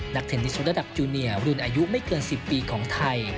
เทนนิสระดับจูเนียรุ่นอายุไม่เกิน๑๐ปีของไทย